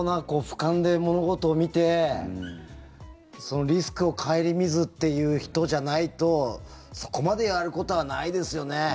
ふかんで物事を見てリスクを顧みずという人じゃないとそこまでやることはないですよね。